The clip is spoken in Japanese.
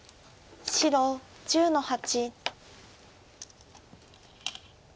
白１０の八。